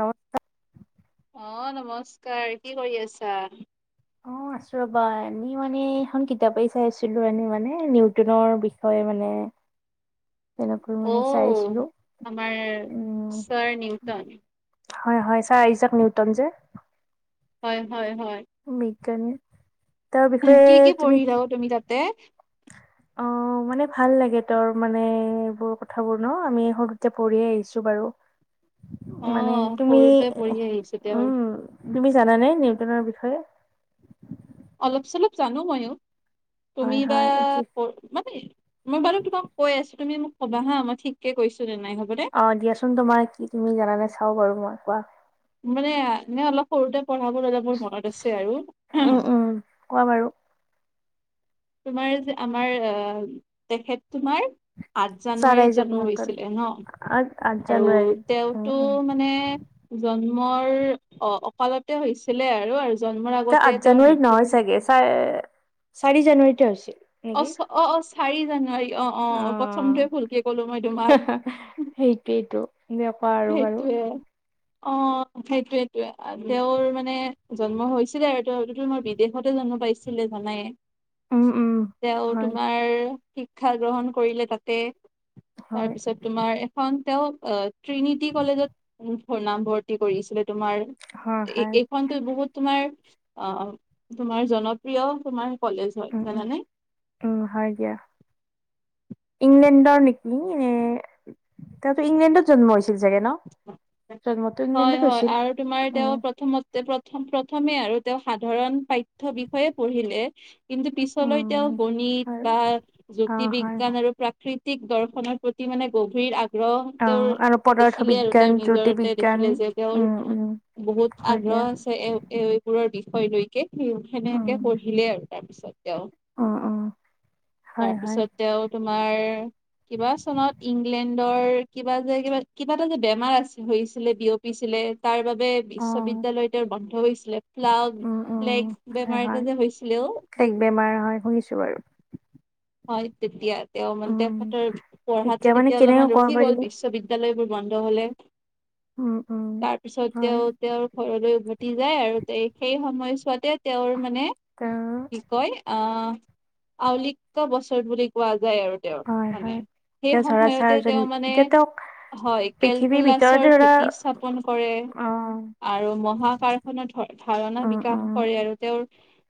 নমস্কাৰ। অ', নমস্কাৰ কি কৰি আছা? অ', আছোঁ ৰবা এনে মানে এখন কিতাপেই চাই আছিলোঁএনে মানে নিউটনৰ বিষয়ে। মানে। তেনেকৈ মানে অ' চাইছিলোঁ আমাৰ উম। ছাৰ নিউটন হয়, হয় ছাৰ আইজাক নিউটন যে। হয়, হয়, হয়। সেইকাৰণে তেওঁৰ বিষয়ে তুমি। তে। অ', মানে ভাল লাগে তোৰ মানে এইবোৰ কথাবোৰ ন আমি সৰুতে পঢ়িয়ে আহিছোঁ বাৰু। মানে অ', তুমি সৰুটোৱে পঢ়ি আহিছোঁ তেওঁৰ। উম তুমি জানানে নিউটনৰ বিষয়ে? অলপ চলপ জানো ময়ো তুমি হয় বা হয় এতিয়া মানে। মই বাৰু তোমাক কৈ আছোঁ, তুমি মোক ক'বা হা মই ঠিক কে কৈছোঁ নে নাই। হ'বনে অ', দিয়াচোন তোমাৰ কি তুমি জানানে চাও বাৰু মই কোৱা। মানে, মানে অলপ সৰুতে। পঢ়াবোৰ মানে মোৰ মনত আছে আৰু। উম উম কোৱা বাৰু তোমাৰ যে আমাৰ অ', তেখেত তোমাৰ। আঠ ছাৰ জানুৱাৰীত আইজাক জন্ম নিউটন হৈছিলে ন আঠ আঠ আৰু জানুৱাৰীত উম তেওঁতো উম মানে জন্ম। মোৰ অ-অকালতে হৈছিলে আৰু, আৰু। জন্মৰ এ আগতে আঠ তেওঁৰ জানুৱাৰীত মৃত্যুত নহয় চাগে, চ-চাৰি জানুৱাৰীতে হৈছিল। নেকি অ', অ', অ'চাৰি জানুৱাৰী। অ', অ'প্ৰথমটয়ে ভুলকে কলোঁ মই তোমাক। সেইটোৱেইটো এনেকুৱা আৰু বাৰু। সেইটোয়ে অ', সেইটোয়েইটয়ে তেওঁৰ মানে জন্ম হৈছিলে আৰু তেওঁ মই বিদেশতে জ পাইছিলে জানাইে। উম উম তেওঁ হয় তোমাৰ শিক্ষা গ্ৰহণ কৰিলে তাতে। তাৰ হয় পিছত তোমাৰ এখন তেওঁ ট্ৰিনিটি কলেজত। নাম ভৰ্তি কৰিছিলে তোমাৰ হয় হয় এইখনতো বহুত তোমাৰ। অ', তোমাৰ জনপ্ৰিয় তোমাৰ। কলেজ হয় উম, উম, জানানে? উম হয় দিয়া। ইংলেণ্ডৰ নেকি এ তেওঁতো ইংলেণ্ডত জন্ম হৈছিল। চাগে ন জন্মটো হয়, ইংলেণ্ডত হয় হৈছিল আৰু তোমাৰ এতিয়া উম প্ৰথমতে প্ৰথমে আৰু তেওঁ সাধাৰণ পাথঠ্যৰ বিষয়ে পঢ়িলে। কিন্তু পিছলৈ তেওঁ উম গণিত হয় বা অ জ্যোতি হয় বিজ্ঞান আৰু প্ৰাকৃতি দৰ্শনৰ প্ৰতি মানে গভীৰ আগ্ৰহ অ আৰু তেওঁৰ পদাৰ্থ দেখিলে আৰু বিজ্ঞান তেওঁ জ্যোতি নিজৰতে বিজ্ঞান দেখিলে যে তেওঁৰ উম উম বহুত হয় দিয়া আগ্ৰহ আছে এ এইবোৰ বিষয় লৈকে উম সেনোকে পঢ়িলে আৰু তাৰপিছত। তেওঁ উম উম হয়, হয়। তাৰপিছত তেওঁ তোমাৰ কিবা চনত ইংলেণ্ডৰ কিবা যে কিবা কিবা এটা যে বেমাৰ আছিল হৈছিলে বিয়পিছিলে তাৰ বাবে অ', বিশ্ববিদ্য়ালয় তেওঁৰ বন্ধ হৈছিলে। ফ্লাগ উম, উম, ফ্লেগ হয়, বেমাৰ হয়। এটা হৈছিলেও। এক বেমাৰ হয়, শুনিছো [unintelligible] হয় তেতিয়া তেওঁ মানে উম, তেহতৰ এতিয়া পঢ়াটো মানে তেতিয়া কেনেকে অলপমান ক'ব ৰখি পাৰি, গ'ল বিশ্ববিদ্য়ালয় বোৰ বন্ধ হলে উম, উম। তাৰপিছত হয়, তেওঁ তেওঁৰ ঘৰলৈ উভতি যায় আৰু সেই সময়ছোৱাতে তেওঁৰ মানে তেওঁ কি কয় আহ আলিকা বছৰ বুলি কোৱায় যায় আৰু তেওঁৰ হয়, মানে হয়। সেই এতিয়া ধৰা সময়তে ছাৰজন তেওঁ মানে এতিয়া তেওঁক হয় পৃথিৱীৰ কেলকুলাছৰ ভিতৰতে ধৰা ভেটি স্থাপন কৰে। অ', আৰু মহ কাৰাৰখাৰ ধাৰণা উম, বিকাশ উম, কৰে আৰু তেওঁৰ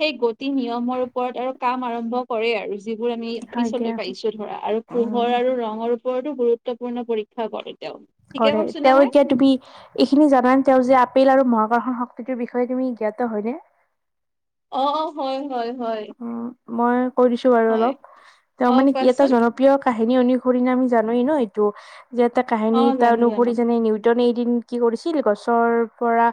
সেই গতি নিয়মৰ ওপৰত আৰু কাম আৰম্ভ কৰে আৰু। যিবোৰ আমি হয় পিছলৈ দিয়া। পাইছো ধৰা আৰু পোহৰ উম, আৰু ৰঙৰ ওপৰতো গুৰুত্বপূৰ্ণ পৰীক্ষা কৰে। তেওঁ ঠিকে কৰে কৈছো নে তেওঁ মই এতিয়া তুমি এইখিনি জানান তেওঁ যে আপেল আৰু মাগ সন শক্তিটোৰ বিষয়ে তুমি জ্ঞাত হয়নে? অ', হয়, হয়, হয়। উম, মই কৈ দিছো বাৰু হয় অলপ তেওঁ অ মানে কি এটা কোৱাচোন জনপ্ৰিয় কাহ নি অনুসৰি না আমি জনোৱা ন' এইটো যে এটা অ কাহিনী এটা জানো জানো অনুসৰি যেনে নে এদিন কি কৰিছিল গছৰ পৰা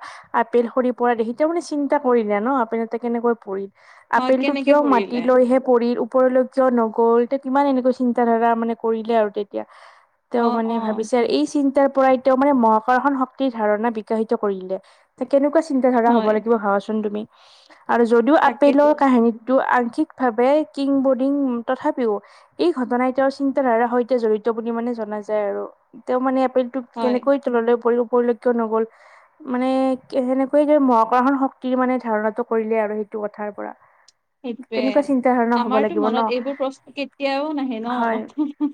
আপেল সৰি পৰা দেখি ত' মানে চিন্তা কৰিলে ন'। কেনেকৈ পৰিল হয় আপেল টো কেনেকে কিয় পৰিলে মাটিলৈ হে পৰিল পৰিল কিয় নগ'ল এয়া কিমান এনেকৈ চিন্ত ধাৰা মানে কৰিলে আৰু তেতিয়া। অ তেওঁ মানে অ ভাবিছে আৰু এই চিন্তাৰ পৰাই তেওঁ মানে মহাক্ষণ শক্তিৰ ধাৰণা বিকাশিত কৰিলে। কেনেকুৱা চিন্ত ধাৰা হ'ব হয় লাগিব ভাবচোন তুমি আৰু যদিও তাকেতো আপেলৰ দু আংশিকভাৱে কিং বৰ্ডিং তথাপিও এই ঘটনাই তেওঁৰ চিন্তাধাৰাৰ সৈতে জড়িত মানে জনা জাই আৰু তেওঁ মানে অপলে টো হয় কেনেকৈ তললৈ পৰিল পৰিলক্ষ্ নগ'ল মানে সেনেকুৱয়ে যে মহাকশন শক্তিৰ মানে ধাৰণাটো কৰিলে আৰু সেই এইটো কথাৰ পৰা। কেনেকুৱা সেইটোয়ে। চিন্তা ধাৰণা হ'ব আমাৰতো লাগিব ন মনত এইবোৰ প্ৰশ্ন কেতিয়াও নাহে হয় ন'।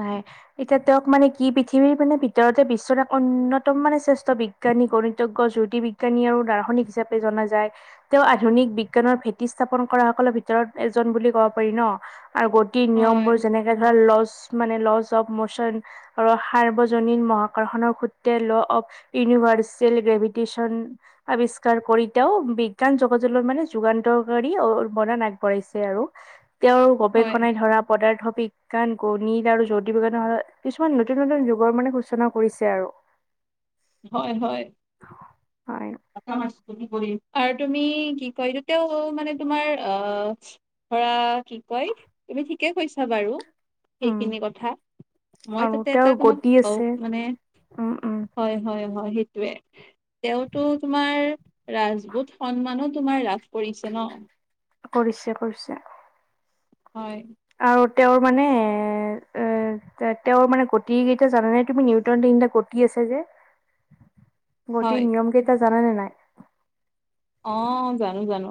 নাই এতিয়া তেওঁক মানে কি পৃথিৱীৰ মানে ভিতৰতে বিশ্বৰ এক অন্যতম মানে শ্ৰেষ্ঠ বিজ্ঞান গণিতজ্ঞ জ্যোতি বিজ্ঞানী আৰু দাৰ্শনিক হিচাপে জনা যায় তেওঁ আধুনিক বি বিজ্ঞানৰ ভেটি স্থাপন কৰা সকলৰ ভিতৰত এজন বুলি ক'ব পাৰি ন'। আৰু গতিৰ নিয়ম হয় বোৰ যেনেকে ধৰা ল মানে লছ অফ মচন ৰসৰ্বজনিক মকৰ্ষণৰ সুত্তে ল অফ ইউনিভাৰ্চেল গ্ৰেভিট্যন আৱিষ্কাৰ কৰিতাও বিজ্ঞান যোগজৰ মানে যুগান্তৰকাৰ অৱদান আগবঢ়াইছে আৰু তেওঁৰ হয়, গৱেষণাই ধৰা পদাৰ্থ বিজ্ঞান গণিত আৰু জ্যোতি বিজ্ঞানৰত কিছুমান নতুন নতুন যুগৰ মানে সূচনা কৰিছে আৰু। [inaudible] হয়, হয়। হয় [unintelligible] আৰু তুমি কি ক তেওঁ মানে তোমাৰ অ' ধৰা কি কয়, তুমি ঠিকেই কৈছা বাৰু। উম সেইখিনি কথা, মই আৰু তাতে তেওঁৰ এটা তোমাক গতি অ' আছে মানে উম উম হয় হয় হয়। সেইটোৱে, তেওঁতো তোমাৰ ৰাজপুত সন্মানো তোমাৰ ৰাজ কৰিছে কৰিছে। হয়। আৰু তেওঁৰ মানে এ, এ তেওঁৰ মানে কতিকেইটা জান নাই তুমি নিউটন কতি আছে যে। হয় গোটেই নিয়মকেইটা জানানে নাই? অ' জানো জানো।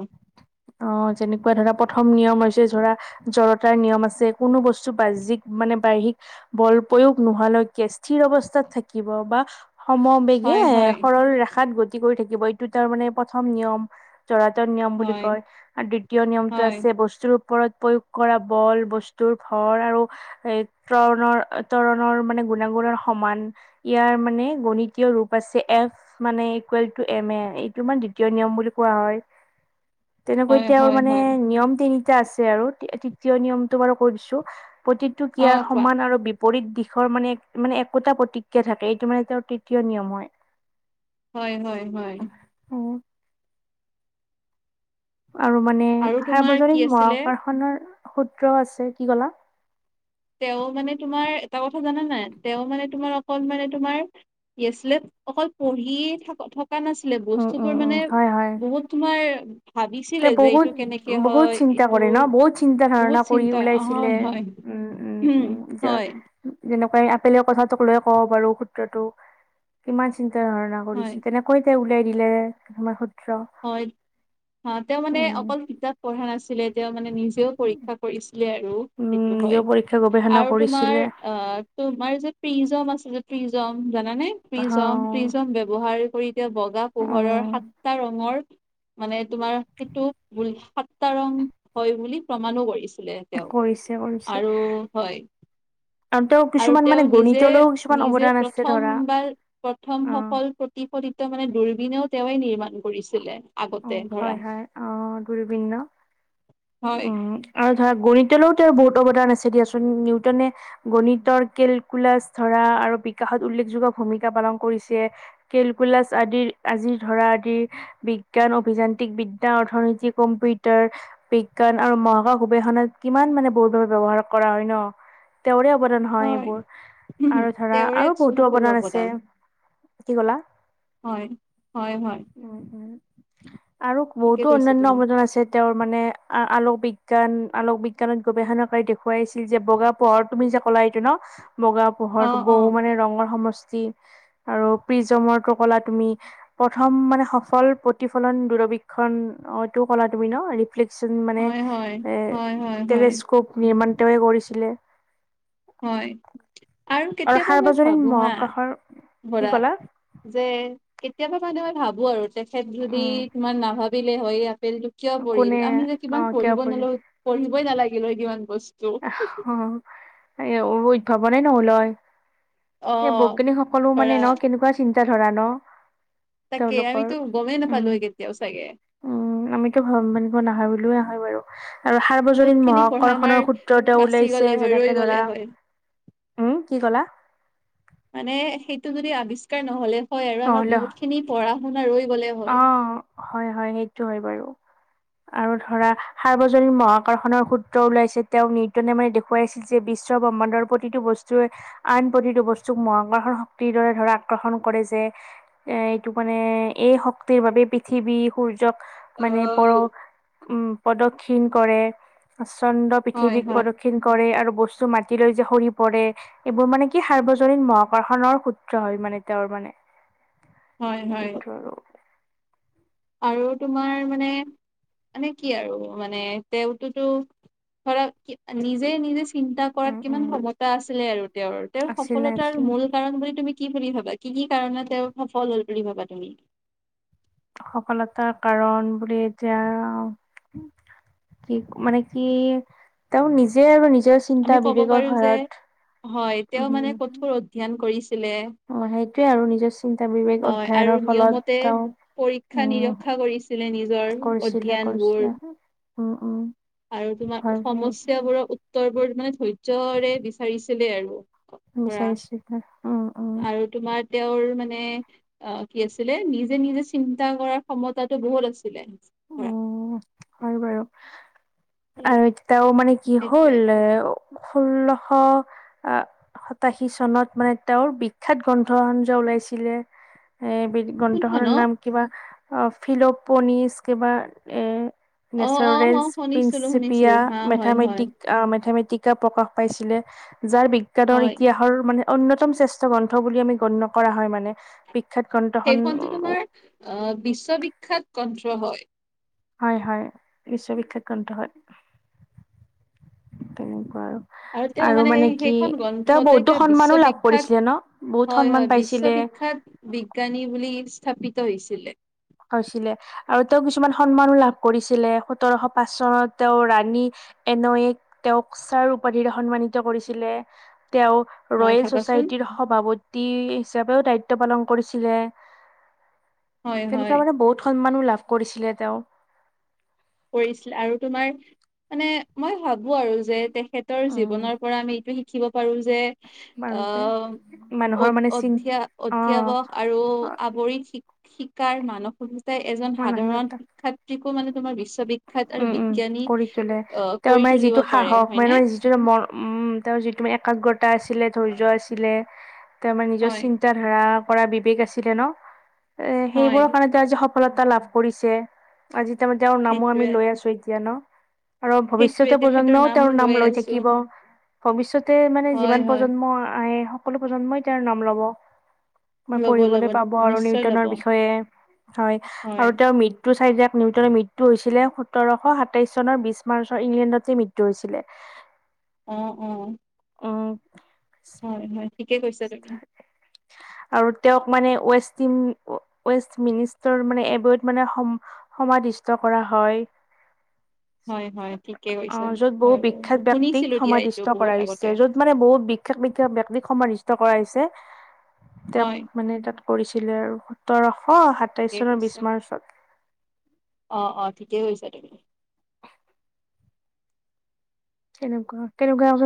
অ' যেনেকুৱা ধৰা প্ৰথম নিয়ম হৈছে ধৰা জৰতাৰ নিয়ম আছে, কোনো বস্তু বাহ্যিক মানে বাইহিক বল প্ৰয়োগ নোহালৈকে স্থিৰ অৱস্থাত থাকিব বা সমবেগে হয়, হয়, সৰল ৰেখাত গতি কৰি থাকিব এইটো তাৰ মানে প্ৰথম নিয়ম। চৰাতৰ নিয়ম বুলি হয়, কয় আৰু দ্বিতীয় নিয়মটো হয়, আছে বস্তুৰ। ওপৰত প্ৰয়োগ কৰা বল, বস্তুৰ ভৰ আৰু এ, তৰণৰ তৰণৰ মানে গুণাগুণৰ সমান ইয়াৰ মানে গণিতীয় ৰূপ আছে এফ মানে ইকুৱেল টু এম এ এইটো মানে দ্বিতীয় নিয়ম বুলি কোৱা হয়। তেনেকৈ হয়, তেওঁৰ হয়, মানে হয় নিয়ম তিনিটা আছে আৰু তৃতীয় নিয়মটো বাৰু কৈ দিছোঁ। প্ৰতিটো অ ক্ৰিয়াৰ কোৱা সমান আৰু বি পৰিদ দিশৰ মানে মানে একোটা প্ৰতিক্ৰিয়া থাকে এইটো মানে তেওঁৰ তৃতীয় নিয়ম হয়। হয় হয় হয়। আৰু মানে আৰু তোমাৰ কি সাৰ্বজনীন মহ আছিলে আকাশনৰ সূত্ৰও আছে। কি কলা তেওঁ মানে তোমাৰ, এটা কথা জানা নাই তেওঁ মানে তোমাৰ অকল মানে তোমাৰ কি আছিলে অকল পঢ়িয়ে থ কা নাছিলে উম উম বস্তুবোৰ উম মানে হয় হয় বহুত তোমাৰ তে ভাবিছিলে যে এইটো বহুত কেনেকে বহুত হয়, চিন্তা এইটো কৰে ন বহুত চিন্তা বহুত ধাৰণা কৰি চিন্তা, হয় ওলাইছিলে হয়। উম, হয়। যেনেকুৱা এই আপেলৰ কথাটোক লৈ ক'ব পাৰু সূত্ৰটো কিমান চিন্ত তা ধাৰণা হয় কৰিছে তেনেকৈ উলাই দিলে তমাৰ হয়। অ' তেওঁ মানে উম, অকল কিতাপ পঢ়া নাছিলে। তেওঁ মানে নিজেও পৰীক্ষা কৰিছিলে আৰু। সেইটো উম, হয় নিজেও পৰীক্ষা গৱেষণা আৰু তোমাৰ কৰিছিলে। অ' তোমাৰ যে প্ৰিজম আছে প্ৰিজম জানেনে? প্ৰিজম অ', প্ৰিজম ব্যৱহাৰ কৰি এতিয়া বগা পোহৰৰ সাতটা ৰং ঙৰ মানে তোমাৰ সেইটো সাতটা ৰং হয় বুলি প্ৰমাণো কৰিছে। তেওঁ কৰিছে কৰিছে আৰু হয়। আৰু তেওঁ আৰু কিছুমান তেওঁ মানে নিজে গণিতলৈও কিছুমান নিজে অৱদান আছে প্ৰথম ধৰা। বাৰ প্ৰথম অ', সফল প্ৰতি মানে দূৰবীনেও তেওঁৱে নিৰ্মাণ কৰিছিলে। আগতে অ' ধৰা হয় হয় অ' দূৰবীণ ন'? হয় উম, আৰু ধৰা গণিত তেওঁলৈ তেওঁ বহুত অৱদান আছে দিয়াচোন। নিউটনে গণিতৰ কেলকুলাছ ধৰা আৰু বিকাশ উল্লেখযোগ্য ভূমিকা পালন কৰিছে। কেলকুলাছ আদিৰ আজিৰ ধৰা আদিৰ বি বিজ্ঞান, অভিযান্ত্ৰিক বিদ্যা, অৰ্থনীতি, কম্পিউটাৰ বিজ্ঞান আৰু মহাকাশ গৱেষণাত কিমান মানে বহুতৰ ব্যৱহাৰ কৰা হয় ন'? তেওঁৰে অৱদান হয় এইবোৰ। আৰু ধৰা তেওঁৰে আৰু বহুতো সকলো অৱদান আছে। কি ক'লা? হয় হয় হয় উম, উম। আৰু ঠিকে বহুতো কৈছা অন্যান্য তুমি অবদান আছে তেওঁৰ মানে আলক বিজ্ঞান আলোক বিজ্ঞানত গৱেষণা কৰি দেখুৱাইছিল যে বগা পোহৰ, তুমি যে কলা এইটো ন বগা পোহৰ, অ অ বহু মানে ৰঙৰ সমছ যি আৰু প্ৰিজমৰটো কলা তুমি, প্ৰথম মানে সফল প্ৰ প্ৰতিফলন দূৰবীক্ষণ অ এইটো ক'লা তুমি ন [unintelligible] মানে হয় হয় হয় হয় হয় তেলেস্কোপ নিৰ্মাণ তেওঁৱে কৰিছিলে। হয়। আৰুণ আৰু কেতিয়াবা মই সাৰ্বজনীন ভাবো হা মহাকাশৰ কি বৰা ক'লা যে কেতিয়াবা মানে মই ভাবোঁ আৰু তেখেত যদি উম তোমাৰ নাভাবিলে হয় ইয়াত কিয় পঢ়িল কোনে আমি যে অ কিমান কিয় পঢ়িব পৰিল নলো পঢ়িবই নালাগিল হয় কিমান বস্তু অ উদ্ভাৱনে নহলয়। অ এ বৈজ্ঞানিক সকলো মানে ধৰা ন কেনেকুৱা চিন্তা ধৰা ন তাকে তেওঁলোকৰ আমিতো গমেই নাপালো উম হয় কেতিয়াও চাগে উম আমিতো [unintelligible] মান নাহৰ হয় বাৰু। আৰু বহুত সাৰ্বজনীন মহ খিনি পঢ়া আমাৰ আকৰ্ষণৰ্ৰ শু বাচি ওলাইছে গ'লে হয় ৰৈ যেনেকে ধৰা। গ'লে হয় উম কি ক'লা? মানে সেইটো যদি আৱিষ্কাৰ নহ'লে হয় আৰু আমাৰ নহ'লে বহুত খিনি পঢ়া শুনাৰো অ হয় হয় সেইটো হয় বাৰু। আৰু ধৰা সাৰ্বজনীন মহ আকৰৰ্ষণৰ সূত্ৰ ওলাইছে তেওঁ নিৰ্দনে মানে দেখুৱাইছিল যে বিশ্বত ব্ৰহ্মাণ্ডৰ প্ৰতিটো বস্তুৱে আন প্ৰতিটো বস্তুক মহ আকৰ্ষণ শক্তিৰ দৰে ধৰ আকৰ্ষণ কৰে যে এ এইটো মানে এই শ শক্তিৰ বাবে পৃথিৱী সূৰ্যক অ মানে পৰ উম প্ৰদক্ষিণ কৰে চন্দ্ৰ হয় পৃথিৱীক হয় প্ৰদক্ষিণ কৰে আৰু বস্তু বস্তু মাতি লৈ যে সৰি পৰে এইবোৰ মানে কি সাৰ্বজনীন মহাক্ষণৰ সূত্ৰ হয় মানে তেওঁৰ মানে। হয় হয়। এইটো আৰু আৰু তোমাৰ মানে মানে কি আৰু মানে তেওঁতো ধৰা নিজে নিজেই চিন্তা উম কৰাত উম কিমান সমতা আছিলে আৰু তেওঁৰ তেওঁৰ আছিলে সফলতাৰ আছিলে মূল কাৰণ বুলি তুমি কি বুলি ভাবা কি কি কাৰণে তেওঁ সফল হ'ল বুলি ভাবা তুমি সফলতাৰ কাৰণ বুলি এতিয়া কি মানে কি তেওঁাৰ নিজে আৰু নিজ আমি কব পাৰো যে হয় তেওঁ মানে উম কঠোৰ অধ্যয়ন কৰিছিলে অ সেইটোৱে আৰু নিজৰ চিন্তা বিবেক হয় আৰু অধ্যয়নৰ নিয়মতে ফলত আৰু পৰীক্ষা উ নিৰীক্ষা কৰিছিলে নিজৰ কৰিছিলা অধ্যয়নবোৰ কৰিছিলা হ উম উম আৰু তোমাৰ হয় হয় সমস্্যাবোৰৰ উত্তৰবোৰ তানে ধৈৰ্যৰে বিচাৰিছিলে আৰু ধৰা চাইশ উম উম আৰু তোমাৰ তেওঁৰ মানে অ কি আছিলে নিজে নিজে চিন্তা কৰাৰ ক্ষমতাটো বহুত আছিলে ধৰা উ হয় বাৰু উম, আৰু এতিয়াও মানে কি সেইটোৱে হ'ল ষোল্লশ আহ সাতাশী চনত মানে তেওঁৰ বিখ্য্াত গ্ৰন্থ সজ ওলাইছিলে এই কোনখন গ্ৰন্থখনৰ অ'? নাম কিবা ফিলোপনিছ কিবা অ', অ', নেচাৰেলছ অ', শুনিছিলো শুনিছিলো প্ৰিন্চিপিয়া হা হয় হয় মেথামেটিক মেথামেট প্ৰকাশ পাইছিলে যাৰ বিজ্ঞানৰ হয় ইতিহাসৰ মানে অনন্্যতম শ্ৰেষ্ঠ গ্ৰন্থ বুলি আমি গণ্য কৰা হয় মানে বিখ্যাত গ্ৰন্থখন সেইখনটো তোমাৰ আহ বিশ্ববিখ্যাত কণ্ঠ হয় হয় হয় বিশ্ববিখ্যাত গন্থ হয় তেনেকুৱা আৰু তেওঁ আৰু মানে সেই কি সেইখন তেওঁ গ্ৰন্থতে বহুতো কিবা সন্মানো লাভ বিশ্ববিখ্যাত কৰিছিলে ন বহুত সন্মান পাইছিলে বিখ্যাত বিজ্ঞানী বুলি স্থাপিত হৈছিলে হৈছিলে আৰু তেওঁ কিছুমান সন্মানো লাভ কৰিছিলে সোতৰশ পাঁচ চনত তেওঁ ৰাণী এনয়ে তেওঁক ছাৰ উপাধিৰে সন্মানিত কৰিছিলে তেওঁ হয় ৰয়েল ভাবাচোন ছচাইটিৰ সভাপতি হিচাপেও দায়িত্ব পালন কৰিছিল হয় হয় তেনেকুৱা মানে বহুত সন্ লাভ কৰিছিলে তেওঁ কৰিছিল আৰু তোমাৰ মানে মই ভাবো আৰু যে তে তেখেতৰ উম জীৱনৰ পৰা আমি এইটো শিকিব পাৰো যে বাৰু যে আহ মানুহৰ মানে চিন অধ্য অ অধ্যয়াৱক আৰু আৱৰিণ শিকা শিকাৰ মানসবিিতাই এজন সাধাৰণ মানসিকতা শিক্ষয়্ৰীকো মানে তোমাৰ বিশ্ববি্ উম উম কৰি তোলে তেওঁৰ কৰি মানে তুলিব যিটো পাৰে সাহস হয়নে? মানেে যিটো ম উম তেওঁৰ যিটো ম একাগ্ৰতা আছিলে ধৈৰ্য আছিলে ত আমাৰ নিজৰ হয় চিন্ত ধাৰা কৰা বিবেক আছিলে ন এ হয় সেইবোৰৰ কাৰণে তেওঁ আজি সফলতা লাভ কৰিছে আজি তাৰমানে তেওঁৰ নামো আমি সেইটোৱে ান আৰু ভৱিষ্যত সেইটোৱে তেখেতৰ প্ৰজন্মও তেওঁৰ নাম লৈ আছো থাকিব ভৱিষ্যতে মানে হয় যিমান হয় প্ৰজন্ম আহে সকলো প্ৰজন্মই তেওঁাৰ নাম লব মই ল'ব ল'ব পঢ়িবলৈ পাব আৰু নিশ্চয় ল'ব নি্তনৰ বিষয়ে হয় আৰু তেওঁ মৃত চাৰি যাক নিউটনৰ মৃত্যু হৈছিল সোতৰশ সাতাইশ চনৰ বিশ মাৰ্চৰ ইংলেণ্ডতে মৃত্যু হৈছিলে উ উ- অ', হয় হয় ঠিকে কৈছা তুমি উ আৰু তেওঁক মানে ষ্ট ৱেষ্ট মিনিষ্টাৰ মানে এবত মানে সম ষ্ট কৰা হয় হয় হয় ঠিকে কৈছা অ', য'ত মই বহুত বিখ্য্য়াত ব্য়ক্তিক শুনিছিলো দিয়া এইটো সমাধিষ্ট বহুত কৰা আগতে হৈছে য'ত মানে বহুত বিখ্যয়াত শ ব্যক্তিক সমাধিষ্ট কৰা হৈছে তেওঁক হয় মানে তাত কৰিছিলে আৰু সোতৰ অ', ঠিকে সাতাইশ চনৰ বি কৈছা মাৰ্চত অ', অ', ঠিকেইছা তুমি কেনেকুৱা কেনেকুৱ